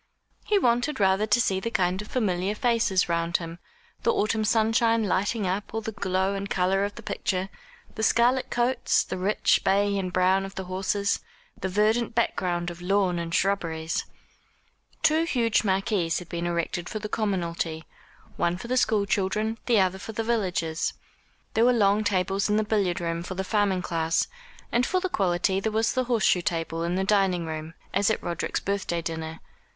He wanted rather to see the kind familiar faces round him, the autumn sunshine lighting up all the glow and colour of the picture, the scarlet coats, the rich bay and brown of the horses, the verdant background of lawn and shrubberies. Two huge marquees had been erected for the commonalty one for the school children, the other for the villagers. There were long tables in the billiard room for the farming class; and for the quality there was the horse shoe table in the dining room, as at Roderick's birthday dinner.